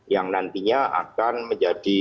yang nantinya akan menjadi